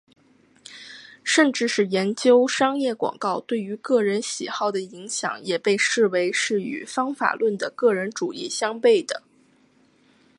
甚至是研究商业广告对于个人喜好的影响也被视为是与方法论的个人主义相背的。